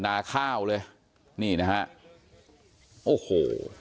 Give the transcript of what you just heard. นาข้าวเลยนี่นะฮะโอ้โห